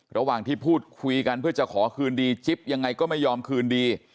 ระหว่างที่พูดคุยกันเพื่อจะขอคืนดีจิ๊บยังไงก็ไม่ยอมคืนดี